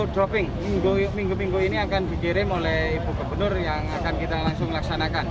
dropping minggu minggu ini akan dikirim oleh ibu gubernur yang akan kita langsung laksanakan